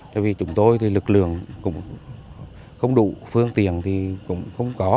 tại vì chúng tôi thì lực lượng cũng không đủ phương tiện thì cũng không có